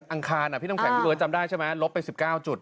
องคารพี่น้ำแข็งพี่เบิร์ดจำได้ใช่ไหมลบไป๑๙จุด